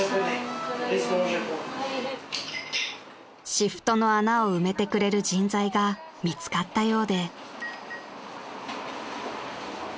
［シフトの穴を埋めてくれる人材が見つかったようで］